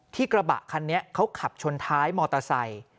กระบะคันนี้เขาขับชนท้ายมอเตอร์ไซค์